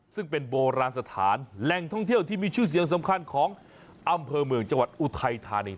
ซึ่งเป็นโบราณสถานแหล่งท่องเที่ยวที่มีชื่อเสียงสำคัญของอำเภอเมืองจังหวัดอุทัยธานี